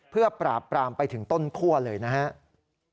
เพื่อปราบปรามไปถึงต้นคั่วเลยนะครับ